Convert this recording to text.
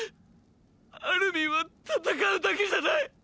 アルミンは戦うだけじゃない！！